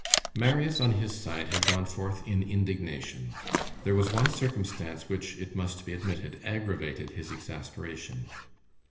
Marius, on his side, had gone forth in indignation. There was one circumstance which, it must be admitted, aggravated his exasperation.